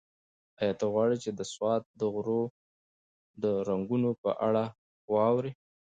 ایا ته غواړې چې د سوات د غرو د رنګونو په اړه واورې؟